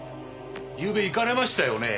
ゆうべ行かれましたよね？